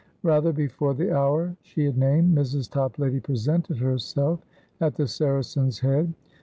Rather before the hour she had named, Mrs. Toplady presented herself at the Saracen's Head.